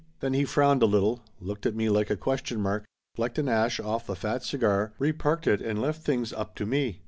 Then he frowned a little, looked at me like a ques tion mark, flecked an ash off the fat cigar, reparked it and left things up to me.